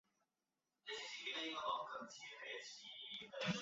族群认同的转变可以从民调中得到反映。